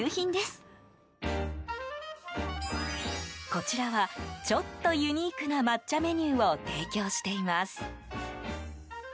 こちらは、ちょっとユニークな抹茶メニューを提供しています。